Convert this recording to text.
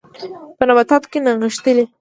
په نباتو کې نغښتلي